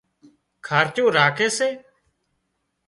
کارچُون راکي سي